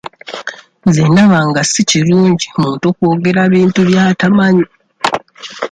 Nze ndaba nga si kirungi muntu kwogera bintu by'atamanyi.